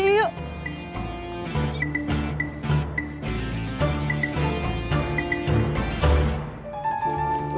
yuk yuk yuk